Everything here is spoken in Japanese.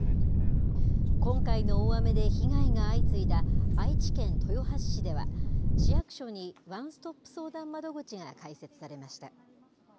今回の大雨で被害が相次いだ、愛知県豊橋市では、市役所にワンストップ相談窓口が開設されました。